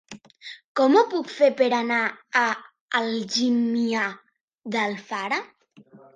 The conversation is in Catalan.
Com ho puc fer per anar a Algímia d'Alfara?